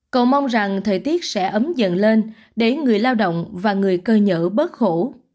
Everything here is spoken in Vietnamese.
cậu mong rằng thời tiết sẽ ấm dần lên để người lao động và người cơ nhở bớt khổ